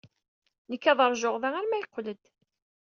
Nekk ad ṛjuɣ da arma yeqqel-d.